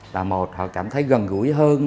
là một họ cảm thấy gần gũi hơn